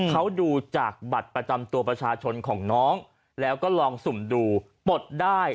เขาดูจากบัตรประจำตัวประชาชนของน้องแล้วก็ลองสุ่มดูปลดได้